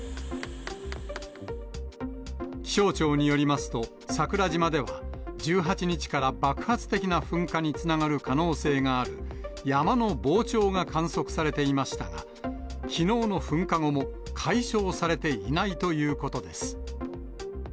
気象庁によりますと、桜島では、１８日から爆発的な噴火につながる可能性がある山の膨張が観測されていましたが、きのうの噴火後も解消されていないということです。